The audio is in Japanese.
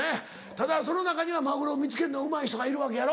ただその中にはマグロ見つけるのうまい人がいるわけやろ。